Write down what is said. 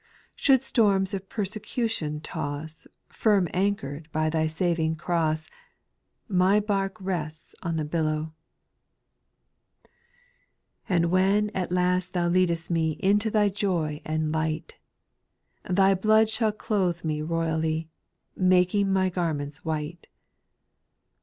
Should storms of persecution toss, Firm anchored by Thy saving cross, My bark rests on the billow I 4. And when at last Thou leadest me Into Thy joy and light. Thy blood shall clothe me royally, Making my garments white.